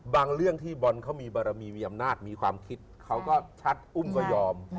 เรื่องที่บอลเขามีบารมีมีอำนาจมีความคิดเขาก็ชัดอุ้มก็ยอม